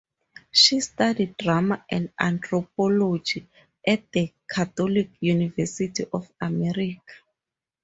She studied drama and anthropology at The Catholic University of America.